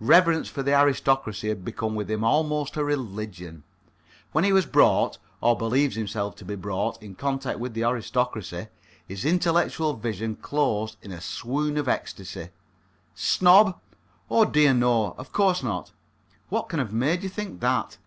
Reverence for the aristocracy had become with him almost a religion. When he was brought or believed himself to be brought in contact with the aristocracy, his intellectual vision closed in a swoon of ecstasy. Snob? Oh, dear, no! Of course not. What can have made you think that?